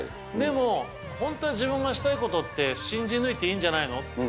でも本当に自分のしたいことって信じ抜いていいんじゃないの？